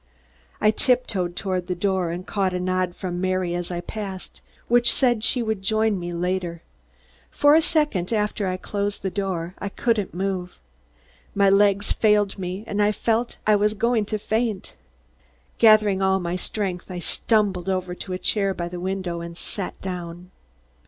I tiptoed toward the door and caught a nod from Mary as I passed, which said she would join me later. For a second, after I closed the door, I couldn't move. My legs failed me and I felt I was going to faint. Gathering all my strength, I stumbled over to a chair by the window and sat down.